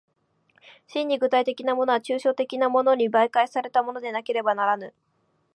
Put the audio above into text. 真に具体的なものは抽象的なものに媒介されたものでなければならぬ。